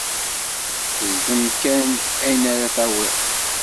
Zdem kan, ayen ara tawiḍ!